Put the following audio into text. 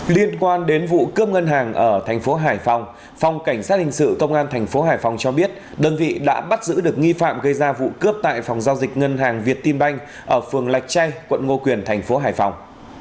liên quan đến vụ cướp ngân hàng ở thành phố hải phòng phòng cảnh sát hình sự công an thành phố hải phòng cho biết đơn vị đã bắt giữ được nghi phạm gây ra vụ cướp tại phòng giao dịch ngân hàng việt tim banh ở phường lạch chay quận ngô quyền thành phố hải phòng